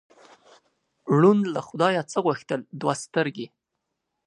ړوند له خدایه څه غوښتل؟ دوه سترګې.